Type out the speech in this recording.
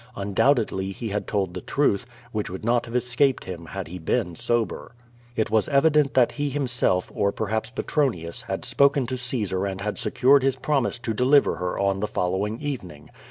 Undoubtedly he had told the truth, which would not have escaped him had he been sober. It was evident that he himself, or perhaps Petronius, had spoken to Caesar and had secured his promise to deliver her on the following evening.